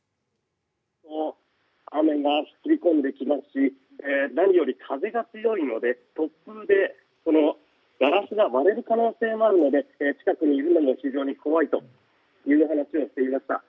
雨が降り込んできますし何より風が強いので突風でガラスが割れる可能性もあるので近くにいるのも非常に怖いという話をしていました。